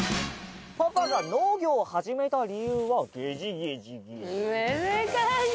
パパが農業を始めた理由はゲジゲジゲジ。